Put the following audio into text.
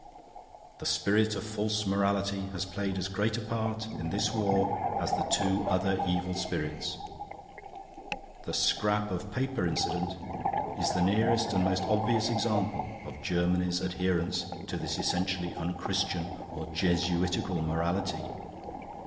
"The spirit of False Morality has played as great a part in this war as the two other evil spirits. The Scrap of Paper incident is the nearest and most obvious example of Germany's adherence to this essentially unchristian or Jesuitical morality.